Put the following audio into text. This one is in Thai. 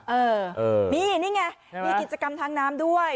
เออนี่นี่ไงมีกิจกรรมทางน้ำด้วย